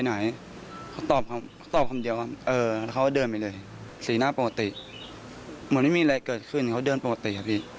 เหมือนไม่มีอะไรเกิดขึ้นเขาเดินปกติครับพี่